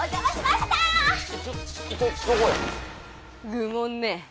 愚問ね。